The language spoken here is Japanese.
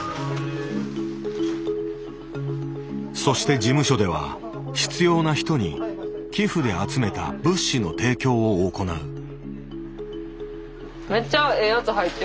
そして事務所では必要な人に寄付で集めた物資の提供を行う。